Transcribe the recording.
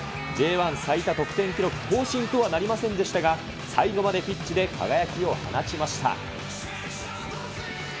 Ｊ１最多得点記録更新とはなりませんでしたが、最後までピッチで輝きを放ちました。